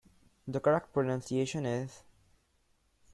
The correct pronunciation is.